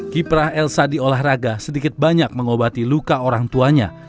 kiprah elsa di olahraga sedikit banyak mengobati luka orang tuanya